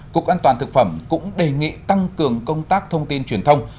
cục an toàn thực phẩm cũng đề nghị tăng cường công tác thông tin truyền thông